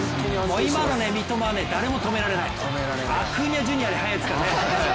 今の三笘は誰も止められないアクーニャ・ジュニアより速いですからね。